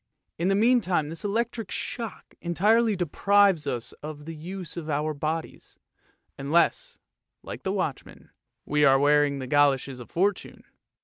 In the meantime this electric shock entirely deprives us of the use of our bodies, unless, like the watchman, we are wearing the goloshes of Fortune.